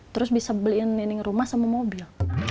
terus bisa beliin lining rumah sama mobil